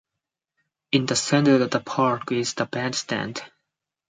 In the center of the park is a bandstand.